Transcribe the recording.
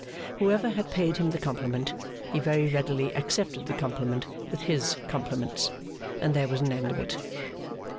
Whoever had paid him the compliment, he very readily accepted the compliment with his compliments, and there was an end of it.